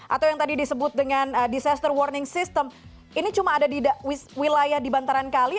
atau yang tadi disebut dengan disaster warning system ini cuma ada di wilayah di bantaran kali